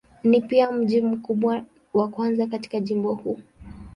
Ni pia mji mkubwa wa kwanza katika jimbo huu.